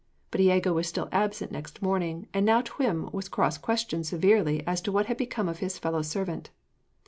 But Iago was still absent next morning, and now Twm was cross questioned severely as to what had become of his fellow servant.